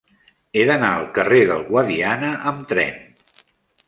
He d'anar al carrer del Guadiana amb tren.